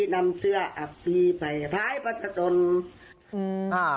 นำเชื้ออับปีไปภายภาษาจนตร์